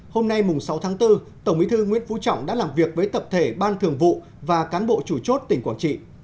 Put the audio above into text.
hôm nay sáu tháng bốn tổng bí thư nguyễn phú trọng đã làm việc với tập thể ban thường vụ và cán bộ chủ chốt tỉnh quảng trị